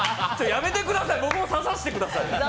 やめてください、僕も刺させてください！